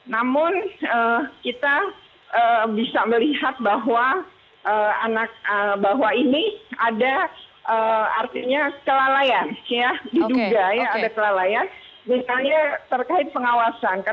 namun kita bisa melihat bahwa anak bahwa ini ada artinya kelalaian ya diduga ya ada kelalaian misalnya terkait pengawasan